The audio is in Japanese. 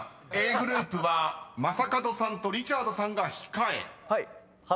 ｇｒｏｕｐは正門さんとリチャードさんが控え］